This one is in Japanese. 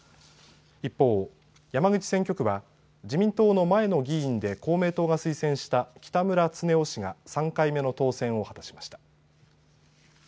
一方、山口選挙区は自民党の前の議員で公明党が推薦した北村経夫氏が３回目の当選を果たしました。